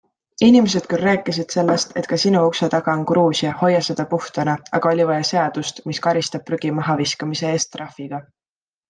Inimesed küll rääkisid sellest, et ka sinu ukse taga on Gruusia, hoia seda puhtana, aga oli vaja seadust, mis karistab prügi mahaviskamise eest trahviga.